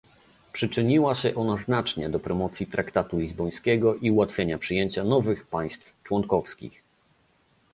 Przyczyniła się ona znacznie do promocji traktatu lizbońskiego i ułatwienia przyjęcia nowych państw członkowskich